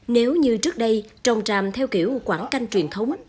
nếu mà người dân không hiểu quảng canh truyền thống